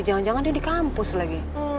jangan jangan dia di kampus lagi